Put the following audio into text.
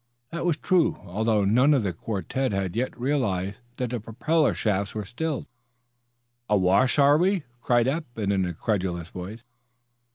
That was true, although none of the quartette had yet realized that the propeller shafts were stilled. "Awash, are we?" cried Eph, in an incredulous voice.